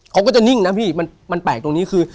เขาก็จะนิ่งนะพี่มันแปลกตรงนี้คือ